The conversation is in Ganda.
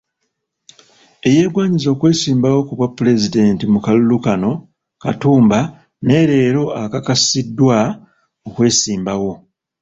Eyeegwanyiza okwesimbawo ku bwa pulezidenti mu kalulu kano, Katumba, naye leero akakasiddwa okwesimbawo.